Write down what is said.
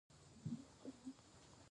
د کابل په پغمان کې د سمنټو مواد شته.